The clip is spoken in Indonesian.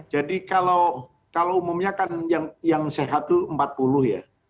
jadi kalau umumnya kan yang sehat itu empat puluh ya